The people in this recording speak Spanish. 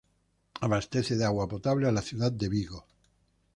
Abastece de agua potable a la ciudad de Vigo.